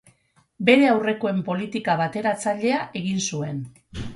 Bere aurrekoen politika bateratzailea egin zuen.